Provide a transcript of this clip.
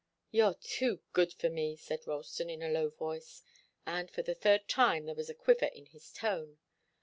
"You're too good for me," said Ralston, in a low voice, and for the third time there was a quiver in his tone.